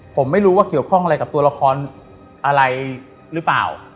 ผมไม่รู้ว่าเกี่ยวข้องอะไรกับตัวละครอะไรหรือเปล่า